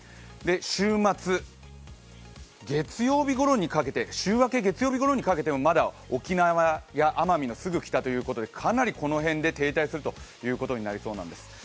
週末、週明け月曜日ごろにかけてもまだ沖縄や奄美のすぐ北ということでかなりこの辺で停滞するということになりそうです。